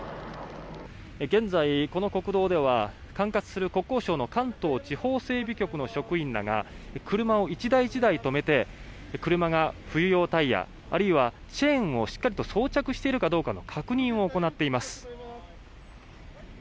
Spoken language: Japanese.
現在、この国道では管轄する国交省の関東地方整備局の職員らが車を１台１台止めて車が冬用タイヤあるいはチェーンをしっかりと装着しているかどうかの確認を行っています。